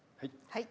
はい。